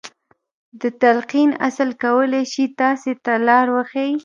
د تلقين اصل کولای شي تاسې ته لار وښيي.